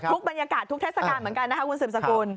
บรรยากาศทุกเทศกาลเหมือนกันนะคะคุณสืบสกุล